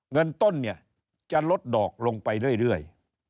เงินต้นเนี่ยจะลดดอกลงไปเรื่อย